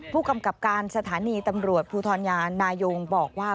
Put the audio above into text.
ผู้กำกับการสถานีตำรวจภูทรยานายงบอกว่า